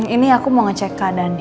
ini aku mau ngecek keadaan